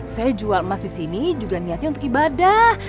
saya jual emas disini juga niatnya untuk ibadah